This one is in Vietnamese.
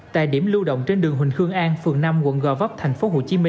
tại điểm lưu động trên đường huỳnh khương an phường năm quận gò vấp tp hcm